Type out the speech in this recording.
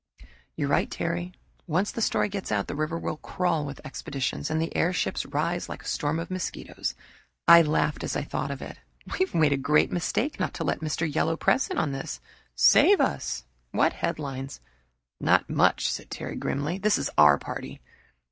"You're right, Terry. Once the story gets out, the river will crawl with expeditions and the airships rise like a swarm of mosquitoes." I laughed as I thought of it. "We've made a great mistake not to let Mr. Yellow Press in on this. Save us! What headlines!" "Not much!" said Terry grimly. "This is our party.